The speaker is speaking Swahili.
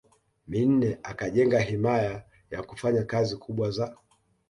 Minne akajenga himaya yakufanya kazi kubwa za